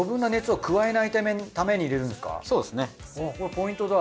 ポイントだ。